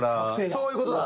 そういう事だ。